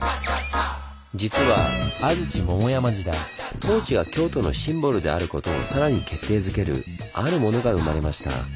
実は安土桃山時代東寺が京都のシンボルであることをさらに決定づける「あるもの」が生まれました。